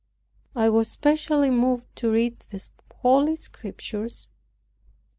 I was specially moved to read the Holy Scriptures.